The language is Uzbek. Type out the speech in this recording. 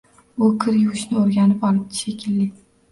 U kir yuvishni oʻrganib olibdi, shekilli